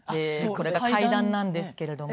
これが階段なんですけれども。